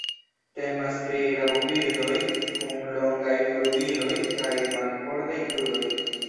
Temas pri rabobirdoj kun longaj flugiloj kaj malfortaj kruroj.